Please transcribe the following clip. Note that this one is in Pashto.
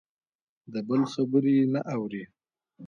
د بل خبرې نه اوري.